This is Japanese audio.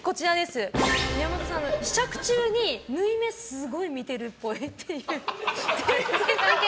宮本さん、試着中に縫い目すごい見てるっぽい。